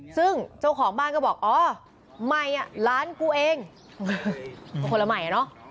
ซึ่งเจ้าของบ้านก็บอกอ๋อใหม่อ่ะร้านกูเองก็คนละใหม่อ่ะเนอะ